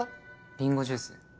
リンゴジュース。